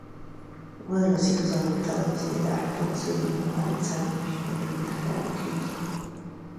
Uno de los hijos adoptados de Harpo se llamó Alexander en homenaje al crítico.